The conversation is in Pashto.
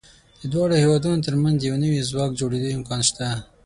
د دواړو هېوادونو تر منځ د یو نوي ځواک جوړېدو امکان شته.